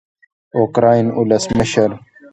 د اوکراین ولسمشر